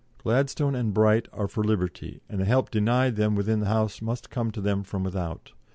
Gladstone and Bright are for Liberty, and the help denied them within the House must come to them from without.